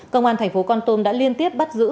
công an thành phố con tum đã liên tiếp bắt giữ